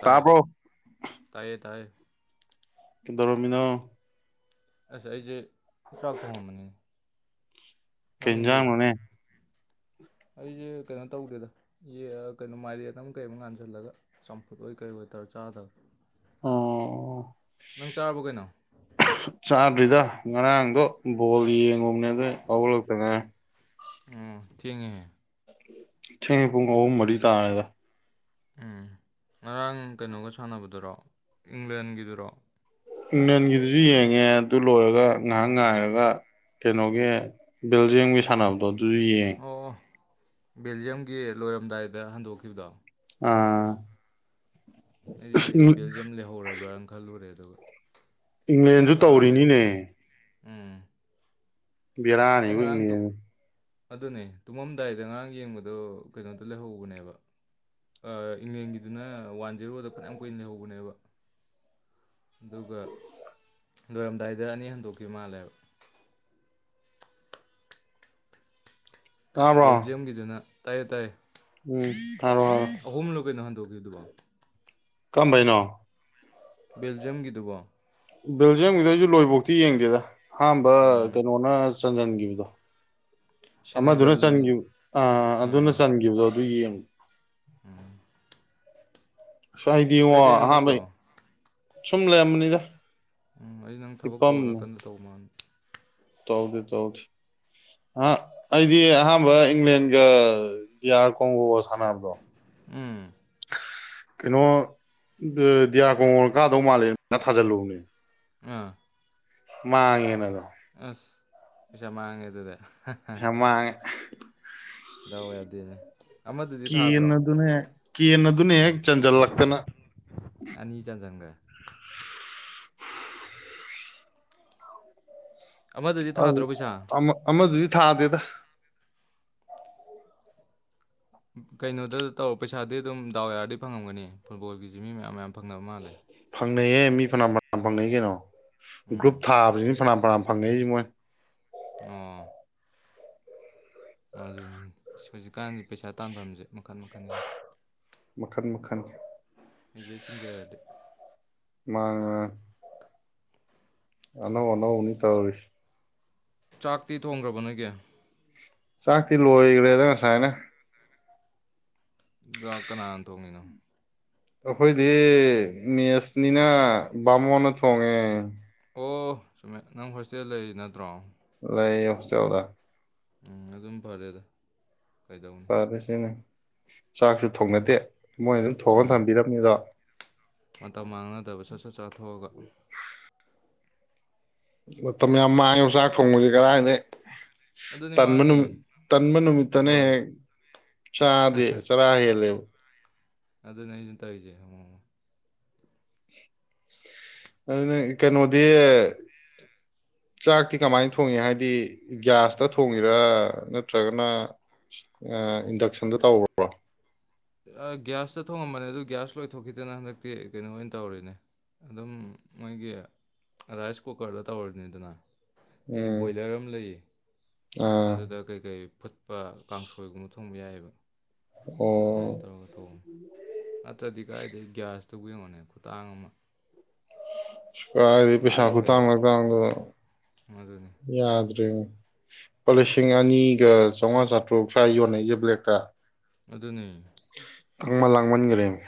ꯇꯥꯌꯦ ꯇꯥꯕ꯭ꯔꯣ ꯇꯥꯌꯦ ꯇꯥꯌꯦ ꯀꯗ ꯔꯃꯤꯅꯣ ꯑꯁ ꯑꯩꯁꯦ ꯆꯥꯛ ꯊꯣꯡꯉꯝꯕꯅꯤ ꯀꯩꯖꯥꯡ ꯅꯅꯦ ꯑꯩꯁꯦ ꯀꯩꯅꯣ ꯇꯧꯗꯦꯗ ꯀꯩꯅꯣ ꯃꯥꯏꯔꯦꯠ ꯑꯃ ꯀꯩꯝ ꯉꯥꯟꯁꯤꯜꯂꯒ ꯆꯝꯐꯨꯠ ꯑꯣꯏ ꯀꯩ ꯑꯣꯏꯗ ꯠꯇ ꯆꯥꯗ ꯑꯣ ꯅꯪ ꯆꯥꯔꯕ ꯀꯩꯅꯣ ꯆꯥꯗ꯭ꯔꯤꯗ ꯉꯔꯥꯡꯗꯣ ꯕꯣꯜ ꯌꯦꯡꯉꯣꯅꯦ ꯑꯗꯨꯣ ꯍꯧꯒꯂꯛꯇ ꯉꯔ ꯎ ꯊꯦꯡꯉꯦ ꯊꯨꯡ ꯃꯔꯤ ꯇꯥꯅꯦꯗ ꯎꯝ ꯉꯔꯥꯡ ꯀꯩꯅꯣꯒ ꯁꯥꯟꯅꯕꯗꯨꯔꯣ ꯏꯪꯂꯦꯟꯒꯤꯗꯨꯔꯣ ꯏꯪꯂꯦꯟꯒꯤꯗꯨꯁꯨ ꯌꯦꯡꯉꯦ ꯑꯗꯨ ꯂꯣꯏꯔꯒ ꯉꯥꯏꯍꯥꯛ ꯉꯥꯏꯔꯒ ꯀꯩꯅꯣꯒꯤ ꯕꯤꯜꯖꯤꯡꯒꯤ ꯁꯥꯟꯅꯕꯗꯣ ꯑꯗꯨꯁꯨ ꯌꯦꯡꯉ ꯑꯣ ꯕꯦꯜꯖꯤꯌꯝꯒꯤ ꯂꯣꯏꯔꯝꯗꯥꯏꯗ ꯍꯟꯗꯣꯛꯈꯤꯕꯗꯣ ꯑꯥ ꯑꯁ ꯑꯩꯁꯦ ꯕꯦꯜꯖꯤꯌꯝ ꯂꯩꯍꯧꯔꯕ꯭ꯔꯅ ꯈꯜꯂꯨꯔꯦ ꯑꯗꯨꯒ ꯏꯪꯂꯦꯟꯁꯨ ꯀꯥꯔ ꯂꯩꯔꯝꯃꯦ ꯇꯧꯔꯤꯅꯤꯅꯦ ꯎꯝ ꯑꯩ ꯉꯔꯥꯡ ꯕꯤꯔꯥꯅꯤꯅꯦ ꯑꯗꯨꯅꯦ ꯇꯨꯝꯃꯝꯗꯥꯏꯗ ꯑꯔꯥꯡ ꯌꯦꯡꯕꯗꯣ ꯀꯩꯅꯣꯗꯣ ꯂꯩꯍꯧꯕꯅꯦꯕ ꯏꯪꯂꯦꯟꯒꯤꯗꯨꯅ ꯋꯥꯟ ꯖꯦꯔꯣꯗ ꯐꯅꯌꯥꯝ ꯀꯨꯏꯅ ꯂꯩꯍꯧꯕꯅꯦꯕ ꯑꯗꯨꯒ ꯂꯣꯏꯔꯝꯗꯥꯏꯗ ꯑꯅꯤ ꯍꯟꯗꯣꯛꯈꯤꯕ ꯃꯥꯜꯂꯦꯕ [inaudible] ꯇꯥꯕ꯭ꯔꯣ ꯕꯦꯜꯖꯤꯌꯝꯒꯤꯗꯨꯅ ꯇꯥꯏ ꯇꯥꯏ ꯎꯝ ꯍꯥꯏꯔꯣ ꯍꯥꯏꯔꯣ ꯑꯍꯨꯝ ꯂꯦ ꯅꯍꯟꯊꯣꯛꯈꯤꯦ ꯑꯗꯨꯗꯨꯕꯥ ꯀꯝꯕꯩꯅꯣ ꯕꯦꯜꯖꯤꯌꯝꯒꯤꯗꯨꯕꯣ ꯕꯦꯜꯖꯤꯌꯝꯒꯤꯗ ꯑꯩꯁꯨ ꯂꯣꯏꯕꯧꯇꯤ ꯌꯦꯡꯗꯦꯗ ꯑꯍꯥꯟꯕ ꯎꯝ ꯀꯩꯅꯣꯅ ꯆꯟꯟꯈꯤꯕꯗꯣ ꯑꯃꯗꯨꯅ ꯁꯦꯅꯦꯒꯜ ꯆ ꯑ ꯑꯗꯨꯅ ꯆꯟꯈꯤꯕꯗꯣ ꯏꯡ ꯎꯝ ꯍꯥꯏꯗꯤꯉꯣ ꯅꯪꯕꯣ ꯑꯍꯥꯟꯕꯩ ꯁꯨꯝ ꯂꯩꯔꯝꯕꯅꯤꯗ ꯎꯝ ꯑꯩ ꯅꯪ ꯊꯕꯛ ꯍꯤꯞꯄꯝ ꯇꯧꯕ ꯅꯥꯀꯟꯗ ꯇꯧꯕ ꯃꯥꯜ ꯇꯧꯗꯦ ꯇꯧꯗꯤꯦ ꯑ ꯑꯩꯗꯤ ꯑꯍꯥꯟꯕ ꯏꯪꯂꯦꯟꯒ ꯗꯤꯌꯥꯥꯔ ꯀꯣꯡꯒꯣꯁ ꯁꯅꯕꯗ ꯎꯝ ꯀꯩꯅꯣ ꯗꯤꯌꯥꯔ ꯀꯣꯡ ꯀꯥꯗꯧ ꯃꯥꯜꯂꯦ ꯊꯥꯖꯤꯜꯂꯨꯅꯦ ꯑꯥ ꯃꯥ ꯌꯦꯦꯅ ꯑꯗꯨꯣ ꯑꯁ ꯀꯃꯗꯗ ꯆꯃ ꯗꯋꯥ ꯌꯥꯗꯅꯦ ꯀ ꯑꯗꯨꯅꯦ ꯀ ꯑꯗꯨꯅꯦ ꯍꯦꯛ ꯆꯟꯁꯤꯜꯂꯛꯇꯅ ꯑꯅꯤ ꯆꯥꯟ ꯆꯪꯈ꯭ꯔꯦ ꯑꯃꯗꯨꯗꯤ ꯑꯗꯨ ꯊꯥꯗ꯭ꯔꯣ ꯄꯩꯁꯥ ꯑꯃ ꯑꯃꯗꯨꯗꯤ ꯊꯥꯗꯦꯗ ꯀꯩꯅꯣꯗ ꯇꯧꯔ ꯄꯩꯁꯥꯗꯤ ꯑꯗꯨꯝ ꯗꯥꯎ ꯌꯥꯔꯗꯤ ꯐꯪꯉꯝꯒꯅꯤ ꯐꯨꯠꯕꯣꯜꯒꯤ ꯖꯤꯃꯤ ꯃꯌꯥꯝ ꯃꯌꯥꯝ ꯐꯪꯅꯕ ꯃꯥꯜꯂꯦ ꯐꯪꯅꯩꯌꯦ ꯃꯤ ꯐꯅꯥꯝ ꯐꯅꯥꯝ ꯐꯪꯅꯩ ꯀꯩꯅꯣ ꯒ꯭ꯔꯨꯞ ꯎꯝ ꯊꯥꯕꯁꯤꯅ ꯐ ꯐꯅ ꯐꯅꯥ ꯐꯪꯅꯤ ꯃꯣꯏ ꯑꯣ ꯑꯗꯨꯅꯤ ꯑ ꯍꯧꯖꯤꯛꯀꯥꯟꯗꯤ ꯄꯩꯁꯥ ꯇꯥꯟꯐꯝꯁꯦ ꯃꯈꯟ ꯃꯈꯟꯅꯤ ꯃꯈꯟ ꯃꯈꯟ ꯑꯩꯁꯦ ꯁꯤꯡꯖꯔꯗꯤ ꯃꯥ ꯑꯅꯥꯎ ꯑꯅꯥꯎ ꯎꯅꯤ ꯇ ꯑꯣꯏꯔꯤ ꯆꯥꯛꯇꯤ ꯊꯣꯡꯈ꯭ꯔꯕ ꯅꯣꯏꯒꯤ ꯆꯥꯛꯇꯤ ꯂꯣꯏꯈ꯭ꯔꯦꯗ ꯉꯁꯥꯏꯅ ꯖꯥꯛ ꯀꯅꯥꯅ ꯊꯣꯡꯉꯤꯅꯣ ꯑꯩꯈꯣꯏꯗꯤ ꯃꯦꯁꯅꯤꯅ ꯕꯥꯃꯣꯟꯅ ꯊꯣꯡꯉꯦ ꯑꯣ ꯁꯨꯝꯃꯦꯠ ꯅꯪ ꯍꯣꯁꯇꯦꯜ ꯂꯩꯔꯤ ꯅꯠꯇ꯭ꯔꯣ ꯂꯩ [unintelligible] ꯎꯝ ꯑꯗꯨꯝ ꯐꯔꯦꯗ ꯀꯩꯗꯧꯅꯤ ꯄꯔꯁꯤꯅꯥ ꯆꯥꯛꯁꯨ ꯊꯣꯡꯅꯗꯦ ꯃꯣꯏ ꯑꯗꯨꯝ ꯊꯣꯡꯑꯒ ꯑꯥ ꯊꯝꯕꯤꯔꯝꯃꯤꯗꯣ ꯃꯇꯝ ꯃꯥꯡꯅꯗꯕ ꯁꯠ ꯁꯠ ꯆꯥꯊꯣꯛꯑꯒ ꯃꯇꯝ ꯌꯥꯝ ꯃꯥꯡꯉꯦꯕ ꯆꯥꯛ ꯊꯣꯡꯕꯕꯁꯤ ꯀꯔꯥꯏꯗꯩ ꯑꯗꯨꯅꯤ ꯇꯟꯃ ꯃꯥꯡꯉꯦ ꯅꯨꯃꯤ ꯇꯟꯃ ꯅꯨꯃꯤꯠꯇꯅꯦ ꯍꯣꯏ ꯆꯥꯗꯦ ꯆꯔꯥ ꯍꯦ ꯂꯦꯕ ꯑꯗꯅꯤ ꯑꯩꯁꯨ ꯇꯧꯏꯖꯦ ꯑꯗꯨꯅ ꯀꯩꯅꯣꯗꯤ ꯆꯥꯛꯇꯤ ꯀꯃꯥꯏꯅ ꯊꯣꯡꯉꯤ ꯍꯥꯏꯗꯤ ꯒ꯭ꯌꯥꯁꯇ ꯊꯣꯡꯉꯤꯔ ꯅꯠꯇ꯭ꯔꯒꯅ ꯏꯟꯗꯛꯁꯟꯗ ꯇꯧ꯭ꯔꯣ ꯒꯤꯒ꯭ꯌꯥꯁꯇ ꯊꯣꯡꯉꯝꯕꯅꯦ ꯑꯗꯨ ꯒ꯭ꯌꯥꯁ ꯂꯣꯏꯊꯣꯛꯈꯤꯗꯅ ꯍꯟꯗꯛꯇꯤ ꯀꯩꯅꯣ ꯑꯣꯏꯅ ꯇꯧꯔꯤꯅꯦ ꯑꯗꯨꯝ ꯃꯣꯏꯒꯤ ꯔꯥꯏꯁ ꯀꯨꯀꯔꯗ ꯇꯧꯔꯤꯅꯤꯗꯅ ꯑꯩꯒꯤ ꯎꯝ ꯕꯣꯏꯂꯔ ꯑꯃ ꯂꯩꯌꯦ ꯑꯥ ꯑꯗꯨꯗ ꯀꯩꯀꯩ ꯐꯨꯠꯄ ꯀꯥꯡꯁꯣꯏꯒꯨꯝꯕ ꯊꯣꯡꯕ ꯌꯥꯏꯑꯕ ꯅꯥꯏꯟ ꯑꯣ ꯇꯔꯣꯒ ꯊꯣꯡꯉꯤ ꯅꯥꯠꯔꯗꯤ ꯀꯗꯥꯥꯏꯗꯒꯤ ꯒꯦꯁꯇꯨ ꯌꯦꯡꯉꯣꯅꯦ ꯈꯨꯇꯥꯡ ꯑꯃ ꯀꯔꯥꯏꯗꯩꯩ ꯑꯥ ꯄꯩꯁꯥ ꯈꯨꯇꯥꯡ ꯌꯧꯔꯦꯕ ꯂꯇꯥꯡꯗꯣ ꯑꯗꯨꯅꯤ ꯌꯥꯗ꯭ꯔꯦ ꯂꯨꯄꯥ ꯂꯤꯁꯤꯡ ꯑꯅꯤꯒ ꯆꯥꯃꯉꯥ ꯆꯥꯇ꯭ꯔꯨꯛ ꯁꯋꯥꯥ ꯌꯣꯟꯅꯩꯁꯦ ꯕ꯭ꯂꯦꯛꯇ ꯑꯗꯨꯅꯤ ꯇꯥꯡꯃꯟ ꯂꯥꯡꯃꯟꯒꯔꯦꯃꯤ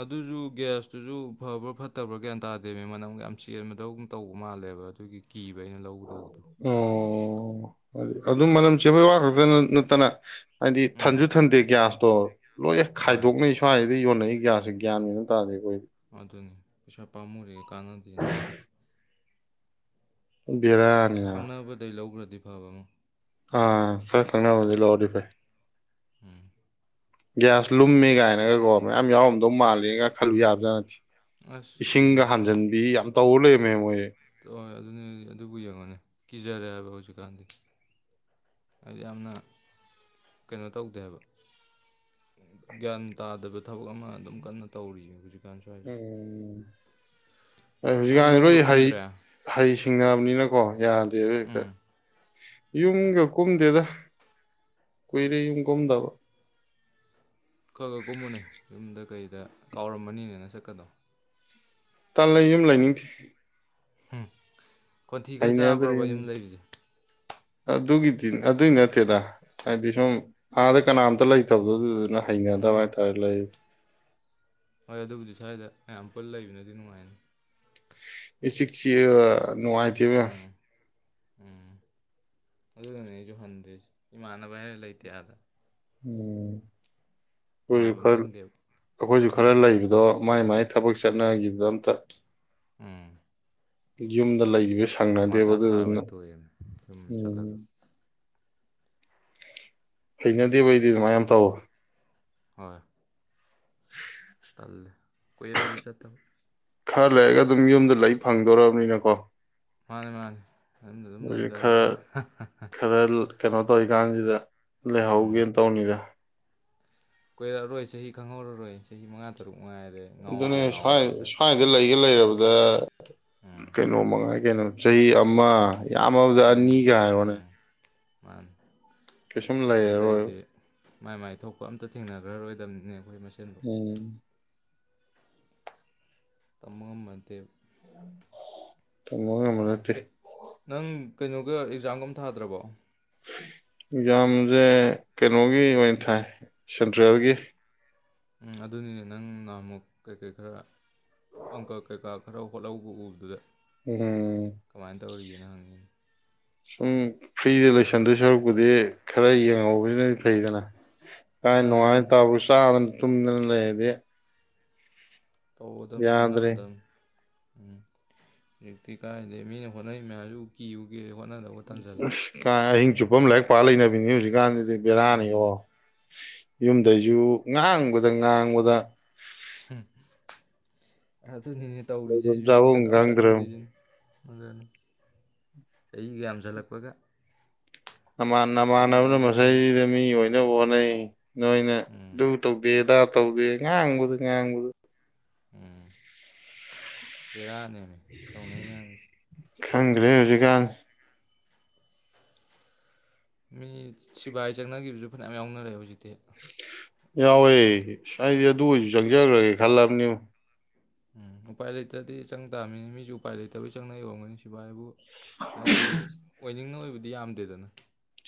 ꯑꯗꯨꯁꯨ ꯒ꯭ꯌꯥꯁꯇꯨꯖꯁꯨ ꯐꯕ꯭ꯔꯥ ꯐꯠꯇꯕ꯭ꯔꯥ ꯒꯌꯥꯟ ꯇꯥꯗꯦꯃꯤ ꯃꯅꯝ ꯌꯥꯝ ꯆꯦꯟꯕꯗꯧ ꯇꯧꯕ ꯃꯥꯜꯂꯦ ꯅꯦꯕ ꯑꯗꯨꯒꯤ ꯀꯤꯕ ꯑꯩꯅ ꯂꯧꯒꯗꯧꯕꯗꯨ ꯑꯣ ꯑꯗꯨꯝ ꯃꯅꯝ ꯆꯦꯄꯩ ꯋꯥ ꯈꯛꯇꯅ ꯅꯠꯇꯅ ꯍꯥꯏꯗꯤ ꯎꯝ ꯊꯟꯁꯨ ꯊꯟꯗꯦ ꯒ꯭ꯌꯥꯁꯇꯣ ꯂꯣꯏ ꯍꯣꯏ ꯈꯥꯏꯗꯣꯛꯅꯩ ꯁ꯭ꯋꯥꯏꯁꯤꯗ ꯌꯣꯟꯅꯩ ꯒꯦꯁ ꯁꯤ ꯒꯦꯜ ꯃꯦꯜ ꯑꯃꯇꯥ ꯇꯥꯗꯦ ꯑꯩꯈꯣꯏꯁꯨ ꯑꯗꯨꯅꯤ ꯄꯩꯁꯥ ꯄꯥꯝꯃꯨꯔꯦ ꯀꯥꯟꯅꯗꯦꯅ ꯇꯧꯅꯤ ꯕꯦꯔꯥꯅꯤꯅ ꯈꯪꯅꯕꯗꯩ ꯂꯧꯈ꯭ꯔꯗꯤ ꯐꯕ ꯑꯃꯣ ꯑꯥ ꯈꯔ ꯈꯪꯅꯕꯗꯤ ꯂꯥꯛꯑꯣꯗꯤ ꯐꯩ ꯎꯝ ꯒ꯭ꯌꯥꯁ ꯂꯨꯝꯃꯦ ꯀꯥꯏꯅꯒꯀꯣ ꯃꯌꯥꯝ ꯌꯥꯎꯔꯝꯗꯧ ꯃꯥꯜꯂꯒ ꯈꯜꯂꯨ ꯌꯥꯕꯖꯥ ꯅꯠꯇꯦ ꯑꯁ ꯑꯗꯨꯅꯤ ꯏꯁꯤꯡꯒ ꯍꯥꯟꯖꯟꯕꯤ ꯌꯥꯝ ꯇꯧꯔ ꯂꯩꯔꯝꯃꯦ ꯃꯣꯏꯦ ꯍ ꯑꯗꯨꯅꯤ ꯑꯗꯨꯕꯨ ꯌꯦꯡꯉꯣꯅꯦ ꯀꯤꯖꯔꯦ ꯍꯥꯏꯕ ꯍꯧꯖꯤꯛꯀꯥꯟꯁꯤ ꯌꯥꯝꯅ ꯀꯩꯅꯣ ꯇꯧꯗꯦꯕ ꯒ꯭ꯌꯥꯟ ꯇꯥꯗꯕ ꯊꯕꯛ ꯑꯃ ꯑꯗꯨꯝ ꯀꯟꯅ ꯇꯧꯔꯤ ꯍꯧꯖꯤꯛ ꯎꯝꯝ ꯍꯣꯏ ꯅꯪꯗꯤ ꯍꯧꯖꯤꯛꯀꯥꯟꯗꯤ ꯂꯣꯏ ꯌꯨꯝꯒ ꯍꯩ ꯀꯨꯝꯗ꯭ꯔꯦ ꯍꯩ ꯁꯤꯡꯅꯕꯅꯤꯅꯀꯣ ꯌꯥꯗꯦ ꯕꯥ ꯍꯦꯛꯇ ꯎꯝ ꯌꯨꯝꯒ ꯀꯨꯝꯗꯦꯗ ꯀꯨꯏꯔꯦ ꯌꯨꯝ ꯀꯨꯝꯗꯕ ꯈ ꯈ ꯀꯨꯝꯃꯨꯅꯦ ꯌꯨꯝꯗ ꯀꯩꯗ ꯀꯥꯎꯔꯃꯅꯤꯅꯦꯅ ꯁꯛꯀꯗꯣ ꯇꯥꯟ ꯂꯩꯥꯏ ꯌꯨꯝꯂꯥꯏ ꯅꯤꯡꯗꯤ ꯎꯝ ꯀꯣꯟꯊꯤ ꯈꯔ ꯆꯥꯕ꯭ꯔꯕ ꯌꯨꯝ ꯂꯩꯕꯥꯁꯦ ꯑꯗꯨꯒꯤꯗꯤ ꯑꯗꯨꯏ ꯅꯠꯇꯦꯗ ꯍꯥꯏꯗꯤ ꯁꯨꯝ ꯑꯥꯗ ꯀꯅꯥꯝꯇ ꯂꯩꯇꯕꯗꯣ ꯑꯗꯨꯗꯨꯅ ꯍꯩꯅꯗꯕ ꯑꯣ ꯍꯥꯏꯇꯥꯔꯦ ꯂꯩ ꯍꯣꯏ ꯑꯗꯨꯕꯨꯗꯤ ꯁ꯭ꯋꯥꯏꯗ ꯃꯌꯥꯝ ꯄꯨꯟꯅ ꯂꯩꯕꯅꯗꯤ ꯅꯨꯡꯉꯥꯏꯅꯤ ꯏꯆꯤꯛ ꯆꯤꯀꯥꯒꯥ ꯅꯨꯉꯥꯏꯇꯦꯕꯥ ꯌꯥꯝ ꯎꯝ ꯎꯝ ꯑꯗꯨꯗꯨꯅꯦ ꯑꯩꯁꯨ ꯍꯟꯗꯦꯁ ꯏꯃꯥꯟꯅꯕ ꯍꯥꯏꯔ ꯂꯩꯇꯦ ꯑꯥꯗ ꯎ ꯑꯩꯈꯣꯏꯁꯨ ꯅꯨꯡꯉꯥꯏꯕꯝ ꯈꯔ ꯈꯪꯗꯦꯕ ꯑꯩꯈꯣꯏꯁꯨ ꯎꯝ ꯈꯔ ꯂꯩꯕꯗꯣ ꯃꯥꯏ ꯃꯥꯏ ꯊꯕꯛ ꯆꯠꯅꯈꯤꯕꯗ ꯑꯝꯇ ꯎꯝ ꯌꯨꯝꯗ ꯂꯩꯕ ꯁꯪꯅꯗꯦꯕ ꯃꯊꯥ ꯁꯥꯔ ꯑꯗꯨꯗꯨꯅ ꯑꯣꯏꯅ ꯇꯣꯛꯑꯦꯃꯤ ꯌꯨꯝ ꯎꯝ ꯆꯠꯂꯒ ꯍꯩꯅꯗꯦ ꯐꯩꯗꯤ ꯁꯨꯃꯥꯏ ꯌꯥꯝ ꯇꯧꯋ ꯍꯣꯏ ꯇꯜꯂꯦ ꯀꯨꯏꯔꯦ ꯑꯩꯁꯨ ꯆꯠꯇꯕ ꯈꯔ ꯂꯩꯔꯒ ꯑꯗꯨꯝ ꯌꯨꯝꯗ ꯂꯩ ꯐꯪꯗꯣꯔꯔꯕꯅꯤꯅ ꯀꯣ ꯃꯥꯅꯤ ꯃꯥꯅꯤ ꯑꯗꯨꯝ ꯑꯗꯨꯝ ꯈꯔ ꯂꯩꯗꯔꯕꯅꯦ ꯈꯔ ꯀꯩꯅꯣ ꯇꯧꯔꯤꯀꯥꯟꯁꯤꯗ ꯂꯩꯍꯧꯒꯦꯅ ꯇꯧꯅꯤꯗ ꯀꯣꯏꯔꯛꯑꯔꯣꯏ ꯆꯍꯤ ꯈꯪꯍꯧꯔꯔꯣꯏ ꯆꯍꯤ ꯃꯉꯥ ꯇꯔꯨꯛ ꯉꯥꯏꯔꯦ ꯑꯗꯨꯅꯦ ꯉꯥꯎꯒꯦ ꯁ꯭ꯋꯥꯏ ꯉꯥꯎꯔꯕꯗ ꯁ꯭ꯋꯥꯏꯗ ꯂꯩꯒ ꯂꯩꯔꯕꯗ ꯎꯝ ꯀꯩꯅꯣ ꯃꯉꯥꯏ ꯀꯩꯅꯣꯅꯤ ꯆꯍꯤ ꯑꯃ ꯌꯥꯝꯃꯕꯗ ꯑꯅꯤ ꯑꯅꯤꯒ ꯍꯥꯏꯔꯣꯅꯦ ꯎꯝ ꯃꯥꯅꯤ ꯀꯩꯁꯨꯝ ꯂꯩꯔꯔꯣꯏ ꯑꯗꯨꯗꯩꯗꯤ ꯃꯥꯏ ꯃꯥꯏ ꯊꯣꯛꯄ ꯑꯝꯇ ꯊꯦꯡꯅꯈ꯭ꯔꯔꯣꯏ ꯑꯩꯈꯣꯏ ꯃꯁꯦꯟꯕꯨ ꯎꯝ ꯇꯃꯝ ꯃꯇ ꯇꯃ ꯑꯦ ꯃꯅꯛꯇꯔꯤ ꯅꯪ ꯀꯩꯅꯣꯒ ꯑꯦꯛꯖꯥꯝꯒꯨꯝ ꯊꯥꯗ꯭ꯔꯕꯣ ꯌꯥꯝꯁꯦ ꯀꯩꯅꯣꯒꯤ ꯑꯣꯏꯅ ꯊꯥꯏ ꯁꯦꯟꯇ꯭ꯔꯦꯜꯒꯤ ꯎꯝ ꯑꯗꯨꯅꯤꯅꯦ ꯅꯪ ꯅꯍꯃꯨꯛ ꯀꯩꯀꯩ ꯈꯔ ꯑꯪꯀ ꯀꯩꯀꯥ ꯈꯔ ꯍꯣꯠꯍꯧꯕ ꯎꯕꯗꯨꯗ ꯎꯝ ꯀꯃꯥꯏꯅ ꯇꯧꯔꯤꯒꯦꯅꯣ ꯍꯪꯉꯤ ꯁꯨꯝ ꯐ꯭ꯔꯤꯗ ꯂꯣꯏꯁꯟꯗꯣꯏ ꯁꯔꯨꯛꯄꯨꯗꯤ ꯈꯔ ꯌꯦꯡꯍꯧꯕꯁꯤꯅꯗꯤ ꯐꯩꯗꯅ ꯀꯥꯏꯅ ꯃꯥꯅꯦ ꯅꯨꯡꯉꯥꯏ ꯃꯥꯅꯦ ꯇꯕꯨ ꯆꯥꯗꯅ ꯇꯨꯝꯗꯅ ꯂꯩꯔꯗꯤ ꯇꯧ ꯑꯗꯨ ꯌꯥꯗ꯭ꯔꯦ ꯍꯣꯠꯅꯒꯗꯝꯕ ꯎꯝ ꯍꯧꯖꯤꯛꯇꯤ ꯀꯥꯏꯗꯦ ꯃꯤꯅ ꯍꯣꯠꯅꯔꯤ ꯃꯌꯥꯝꯁꯨ ꯀꯤꯌ ꯀꯦꯦ ꯑꯁ ꯀꯥꯏ ꯑꯍꯤꯡ ꯆꯨꯞꯄ ꯑꯃ ꯂꯥꯏꯔꯤꯛ ꯄꯥ ꯂꯩꯅꯕꯤꯅꯤ ꯍꯧꯖꯤꯛꯀꯥꯟꯗꯤ ꯑꯗꯨ ꯕꯦꯔꯥꯅꯤ ꯑꯗꯨꯅꯤ ꯑꯣꯣ ꯌꯨꯝꯗꯩꯁꯨ ꯉꯥꯡꯕꯗ ꯉꯥꯡꯕꯗ ꯑ ꯑꯗꯨꯅꯤꯅꯦ ꯇꯧꯔꯤꯁꯦ ꯂꯩꯐꯝ ꯑꯩꯁꯨ ꯆꯥꯐꯝ ꯌꯨꯝꯗꯒ ꯌꯥꯝ ꯈꯪꯗ꯭ꯔꯕ ꯆꯠꯅꯤꯡꯗ꯭ꯔꯤꯁꯤꯅꯤ ꯑꯗꯨꯅꯤ ꯆꯍꯤꯒ ꯌꯥꯝꯖꯜꯂꯛꯄꯒ ꯅꯥꯟ ꯅꯃꯥꯟꯅꯕꯅ ꯃꯁꯩꯗ ꯃꯤ ꯑꯣꯏꯅꯕ ꯍꯣꯠꯅꯩ ꯅꯣꯏꯅ ꯎꯝ ꯇꯧꯗꯦꯗꯥ ꯇꯧꯕꯗꯦ ꯉꯥꯡꯕꯗꯨ ꯉꯥꯡꯕꯗ ꯎꯝ ꯔꯥ ꯅꯃꯦ ꯇꯧꯅꯩ ꯃꯅꯁꯤ ꯈꯪꯈ꯭ꯔꯦ ꯍꯧꯖꯤꯛꯀꯥꯟ ꯃꯤ ꯁꯤꯕꯥꯥꯏ ꯆꯪꯅꯈꯤꯕꯁꯨ ꯐꯅꯌꯥꯝ ꯌꯥꯎꯅꯔꯦ ꯍꯧꯖꯤꯛꯇꯤ ꯌꯥꯎꯋꯦ ꯉꯥꯏꯗꯤ ꯑꯗꯨ ꯑꯣꯏꯁꯨ ꯆꯪꯖꯈ꯭ꯔꯒꯦ ꯈꯜꯂꯕꯅꯤ ꯎꯝ ꯎꯄꯥꯏ ꯂꯩꯇ꯭ꯔꯗꯤ ꯆꯪ ꯇꯥꯃꯤꯅꯤ ꯃꯤꯁꯨ ꯎꯄꯥꯏ ꯂꯩꯇꯕꯒꯤ ꯆꯪꯅ ꯌꯧꯔꯝꯒꯅꯤ ꯁꯤꯚ ꯍꯥꯏꯕꯨ ꯍꯥꯏꯗꯤ ꯑꯣꯏꯅꯤꯡꯅ ꯑꯣꯏꯕꯗꯤ ꯌꯥꯝꯗꯦꯗꯅ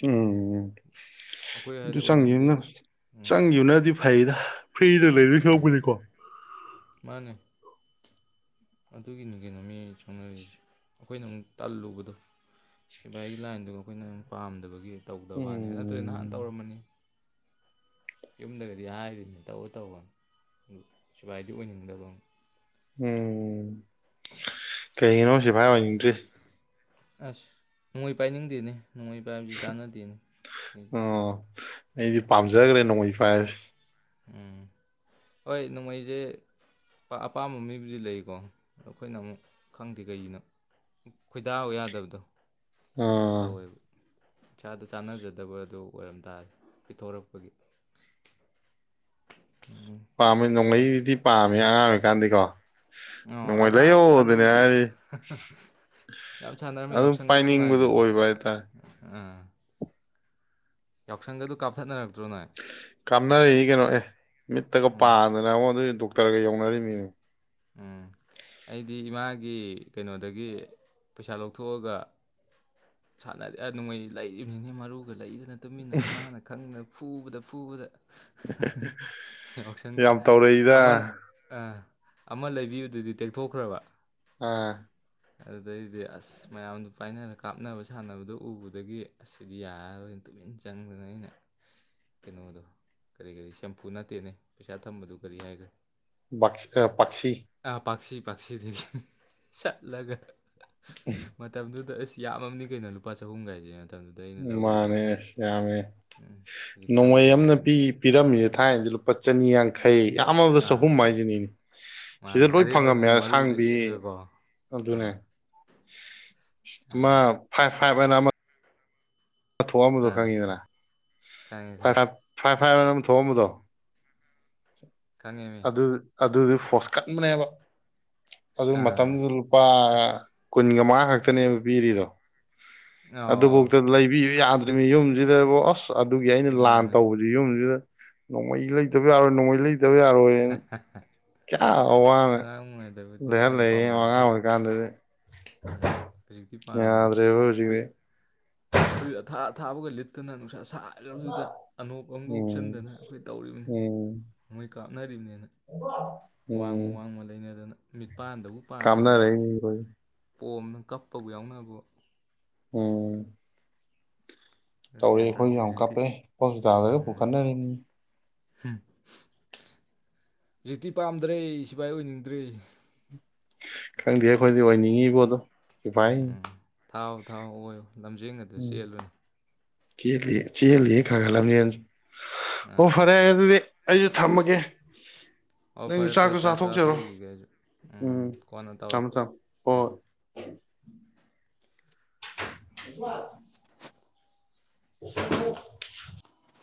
ꯎꯝ ꯑꯩꯈꯣꯏ ꯑꯗꯨ ꯍꯥꯏꯗꯤ ꯆꯪꯉꯅ ꯑꯣꯏꯅꯤꯡꯗꯦꯕ ꯎꯝ ꯆꯪꯈꯤꯕꯅꯗꯤ ꯐꯩꯗ ꯐ꯭ꯔꯤꯗ ꯂꯩꯗꯣꯏ ꯈꯧꯕꯅꯤꯀꯣ ꯃꯥꯅꯤ ꯑꯗꯨꯒꯤ ꯀꯩꯅꯣ ꯃꯤ ꯆꯪꯅꯔꯤꯁꯦ ꯑꯩꯈꯣꯏꯅ ꯑꯃꯨꯛ ꯇꯜꯂꯨꯕꯗꯣ ꯁꯤꯐꯥꯏꯒꯤ ꯂꯥꯏꯟꯗꯨꯒ ꯑꯩꯈꯣꯏꯅ ꯄꯥꯝꯗꯕꯒꯤ ꯇꯧꯗꯕꯅꯦ ꯅꯠꯇ꯭ꯔꯗꯤ ꯅꯍꯥꯟ ꯎꯝ ꯇꯧꯔꯝꯝꯕꯅꯤ ꯌꯨꯝꯗꯒꯗꯤ ꯍꯥꯏꯔꯤꯅꯦ ꯇꯧ ꯇꯧꯕ ꯁꯨꯄꯥꯏꯗꯤ ꯑꯣꯏꯅꯤꯡꯗꯕ ꯎꯝ ꯀꯩꯒꯤꯅꯣ ꯁꯤꯐꯥꯏ ꯑꯣꯏꯅꯤꯡꯗ꯭ꯔꯤ ꯑꯁ ꯅꯣꯡꯃꯩ ꯄꯥꯏꯅꯤꯡꯗꯦꯅꯦ ꯅꯣꯡꯃꯩ ꯄꯥꯏꯕꯕꯁꯤ ꯆꯥꯟꯅꯗꯦꯅꯦ ꯑꯣ ꯑꯩꯗꯤ ꯄꯥꯝꯖꯈ꯭ꯔꯦ ꯅꯣꯡꯃꯩ ꯄꯥꯏꯔꯁꯤ ꯎꯝ ꯍꯣꯏ ꯅꯣꯡꯃꯩꯁꯦ ꯑꯄꯥꯝꯕ ꯃꯤꯕꯨꯗꯤ ꯂꯩꯀꯣ ꯑꯩꯈꯣꯏꯅ ꯑꯃꯨꯛ ꯈꯪꯗꯦ ꯀꯩꯒꯤꯅꯣ ꯈꯣꯏꯗꯥꯎ ꯌꯥꯗꯕꯗꯣ ꯑꯗꯨ ꯑꯥ ꯇꯧꯋꯦꯕ ꯏꯁꯥꯗ ꯆꯥꯟꯅꯖꯗꯕ ꯑꯗꯨ ꯑꯣꯏꯔꯝ ꯇꯥꯔꯦ ꯄꯤꯊꯣꯔꯛꯄꯒꯤ ꯎꯝ ꯄꯥꯝꯃꯦ ꯅꯣꯡꯃꯩꯗꯤ ꯄꯥꯝꯃꯦ ꯑꯉꯥꯡ ꯑꯣꯏꯔꯤꯀꯥꯟꯗꯤꯀꯣ ꯑꯣ ꯑ ꯅꯣꯡꯃꯩ ꯑꯥꯡ ꯑꯃ ꯂꯩꯌꯣꯗꯅꯦ ꯀꯥꯟꯗꯕꯨꯗꯤ ꯍꯥꯏꯔꯤ ꯌꯥꯝ ꯁꯥꯟꯅꯔꯝꯃꯦ ꯑꯗꯨꯝ ꯌꯥꯎꯁꯟꯒꯗꯨ ꯄꯥꯏꯅꯤꯡꯕꯗꯣ ꯅꯨꯡꯉꯥꯏꯕꯅꯦ ꯑꯣꯏꯕ ꯍꯥꯏꯇꯥꯔꯦ ꯑꯥ ꯂꯁꯪꯒ ꯇꯕꯨ ꯀꯞꯁꯗꯅꯅꯥꯔ ꯀꯥꯞꯅꯔꯛꯏ ꯀꯩꯅꯣ ꯑꯦ ꯃꯤꯠꯇꯒ ꯎꯝ ꯄꯥꯗꯅ ꯑꯃꯣ ꯑꯗꯨ ꯈꯔꯒ ꯌꯧꯅꯔꯤꯃꯤꯅꯤ ꯎꯝ ꯑꯩꯗꯤ ꯏꯃꯥꯒꯤ ꯀꯩꯅꯣꯗꯒꯤ ꯄꯩꯁꯥ ꯂꯧꯊꯣꯛꯑꯒ ꯁꯥꯟꯅꯔꯦ ꯅꯅꯨꯡꯃꯩꯅꯤ ꯂꯩꯔꯤꯕꯅꯤꯅꯦ ꯃꯔꯨꯒ ꯂꯩꯗꯅ ꯇꯨꯃꯤꯟꯅ ꯏꯃꯥꯅ ꯈꯪꯗꯅ ꯐꯨꯕꯗ ꯐꯨꯕꯗ ꯌꯥꯎꯁꯪꯗ ꯌꯥꯝ ꯇꯧꯔꯛꯏꯗ ꯑꯃꯜ ꯑ ꯑꯃ ꯂꯩꯕꯤꯨꯗꯨꯗꯤ ꯇꯦꯛꯊꯣꯛꯈ꯭ꯔꯕ ꯑꯥ ꯑꯗꯨꯗꯩꯗꯤ ꯑꯁ ꯃꯌꯥꯝꯗꯨ ꯄꯥꯏꯅꯔꯒ ꯀꯥꯞꯅꯕ ꯁꯥꯟꯅꯕꯗꯣ ꯎꯕꯗꯒꯤ ꯑꯁꯤꯗꯤ ꯌꯥꯔꯔꯣꯏ ꯇꯨꯃꯤꯟ ꯆꯪꯗꯗ ꯑꯩꯅ ꯀꯩꯅꯣꯗꯣ ꯀꯔꯤ ꯀꯔꯤ ꯁꯦꯝꯄꯐꯨ ꯅꯠꯇꯦꯅꯦ ꯄꯩꯁꯥ ꯊꯝꯕꯗꯨ ꯀꯔꯤ ꯍꯥꯏꯈ꯭ꯔꯦ ꯄꯤ ꯑꯥ ꯄꯥꯛꯁꯤ ꯄꯥꯛꯁꯤ ꯊꯦꯡꯁ ꯆꯠꯂꯒ ꯃꯇꯝꯗꯨꯗ ꯁꯤ ꯌꯥꯝꯃ ꯀꯩꯅꯣ ꯂꯨꯄꯥ ꯆꯍꯨꯝ ꯀꯥꯏꯁꯦꯅ ꯃꯥꯅꯦꯁꯃꯦ ꯎꯝ ꯍꯧꯖꯤꯛ ꯅꯣꯡꯃꯩ ꯈꯜꯂꯨꯔ ꯑꯃꯅ ꯅꯣꯡꯕꯨ ꯅꯨꯡꯁꯤ ꯄꯤꯔꯝꯃꯤꯁꯦ ꯊꯥꯏꯅꯗꯤ ꯂꯨꯄꯥ ꯆꯅꯤ ꯌꯥꯡꯈꯩ ꯌꯥꯝꯃꯗ ꯆꯍꯨꯝ ꯑꯥ ꯍꯥꯏꯁꯤꯅꯦꯅꯦ ꯃꯥꯅꯦ ꯑꯔꯦꯝꯕꯗꯨꯅ ꯃꯔꯨ ꯂꯩꯔꯒꯀꯣ ꯑꯗꯨꯅꯦ ꯑꯥ ꯑꯃ ꯑꯥ ꯐꯥꯏꯚ ꯐꯥꯏꯚ ꯍꯥꯏꯅ ꯑꯃ ꯊꯣꯛꯣꯛꯑꯝꯕꯗꯣ ꯑꯥ ꯈꯪꯉꯤꯗꯅ ꯈꯪꯉꯦ ꯈꯪꯉꯦ ꯐꯥꯏ ꯃꯅ ꯊꯣꯡꯝꯕꯗꯣ ꯀꯅꯤꯃꯤ ꯑꯗꯨꯗꯤ ꯐꯣꯁꯀꯠꯕꯅꯦꯕ ꯑꯗꯨ ꯑꯥ ꯃꯇꯝꯗꯨꯗ ꯂꯨꯄꯥ ꯑꯁ ꯀꯨꯟꯒ ꯃꯉ ꯉꯥꯛꯇꯅꯦꯕ ꯄꯤꯔꯤꯗꯣ ꯑꯧ ꯑꯗꯨꯐꯧꯗ ꯂꯩꯕꯤꯌꯨ ꯌꯥꯗ꯭ꯔꯤꯕꯅꯤ ꯌꯨꯝꯁꯤꯗꯕꯨ ꯑꯁ ꯑꯁ ꯑꯗꯨꯒꯤ ꯑꯩꯅ ꯑꯧ ꯂꯥꯟ ꯃꯥꯅꯦ ꯇꯧꯕꯁꯤ ꯌꯨꯝꯁꯤꯗ ꯅꯣꯡꯃꯩ ꯂꯩꯇꯕ ꯑꯁ ꯌꯥꯔꯣꯏ ꯅꯣꯡꯃꯩ ꯂꯩꯇꯕ ꯌꯥꯔꯣꯏ ꯨ ꯀꯌꯥ ꯋꯥꯋꯥꯅ ꯑꯉꯥꯡ ꯑꯣꯏꯔꯤꯉꯩꯗꯕꯨꯗꯤ ꯂꯩꯍꯔ ꯌꯥꯝ ꯂꯩꯌꯦ ꯄꯥꯝꯃꯝꯃꯦ ꯑꯉꯥꯡ ꯍꯧꯖꯤꯛ ꯑꯣꯏꯔꯤꯀꯥꯟꯗꯗꯤ ꯎꯝ ꯍꯧꯖꯤꯛꯇꯤ ꯌꯥꯗ꯭ꯔꯦꯕ ꯑꯣꯏꯗꯤꯦ ꯄꯔꯤ ꯊꯥ ꯊꯥꯕꯒ ꯂꯤꯇꯅꯅꯁ ꯁꯥꯥꯏꯈ꯭ꯔꯕꯗꯨꯗ ꯑꯅꯣꯞ ꯑꯃꯒ ꯎꯝ ꯎꯞꯆꯤꯟꯗꯅ ꯑꯩꯈꯣꯏ ꯇꯧꯔꯤꯕꯅꯤ ꯎꯝ ꯅꯣꯡꯣꯏ ꯀꯥꯞꯅꯔꯤꯕꯅꯤ ꯋꯥꯡꯃ ꯎꯝ ꯋꯥꯡꯃ ꯂꯩꯅꯗꯅ ꯃꯤꯠꯄꯥꯟꯗꯕꯨ ꯄꯥꯟꯕ ꯀꯥꯞꯅꯔꯛꯏ ꯃꯤ ꯂꯣꯏ ꯄꯣꯝꯅ ꯀꯞꯄꯕꯨ ꯌꯥꯎꯅꯕ ꯑꯣ ꯑꯗꯨꯅ ꯇꯧꯔꯦ ꯒ꯭ꯌꯥꯟ ꯇꯥꯗꯦ ꯑꯩꯈꯣꯏꯁꯨ ꯌꯥꯝ ꯍꯧꯖꯤꯛꯇꯤ ꯀꯞꯄꯦ ꯍꯣꯁꯄꯤꯇꯥꯜꯗꯒ ꯄꯨꯈꯠꯅꯔꯤꯅꯤ ꯎ ꯍꯧꯖꯤꯛꯇꯤ ꯄꯥꯝꯗ꯭ꯔꯦ ꯁꯤꯐꯥꯏ ꯑꯣꯏꯅꯤꯡꯗ꯭ꯔꯤ ꯈꯪꯗꯦ ꯑꯩꯈꯣꯏꯗꯤ ꯑꯣꯏꯅꯤꯡꯉꯤꯕꯣꯗꯣ ꯁꯤꯐꯥꯏ ꯎꯝ ꯊꯥꯎ ꯊꯥꯎ ꯑꯣꯏꯌꯨ ꯂꯝꯖꯤꯡ ꯑꯗꯨ ꯎꯝ ꯆꯦꯜꯂꯨꯅꯤ ꯆꯦꯜꯂꯤ ꯆꯦꯜꯂꯤ ꯈꯥꯒ ꯂꯝꯅꯤ ꯑꯣ ꯑꯥ ꯐꯔꯦ ꯑꯗꯨꯗꯤ ꯑꯩꯁꯨ ꯊꯝꯃꯒꯦ ꯑꯣ ꯅꯪꯁꯨ ꯐꯔꯦ ꯐꯔꯦ ꯆꯥꯛꯇꯣ ꯆꯥꯛ ꯆꯥꯊꯣꯛꯆꯔꯣ ꯆꯥꯊꯣꯛꯎꯈꯤꯒꯦ ꯎꯝ ꯎꯝ ꯀꯣꯟꯅ ꯊꯝꯃꯣ ꯇꯧꯔꯛꯦ ꯊꯝꯃꯣ ꯎꯝ ꯍꯣꯏ [unintelligible] ꯋꯥ [unintelligible]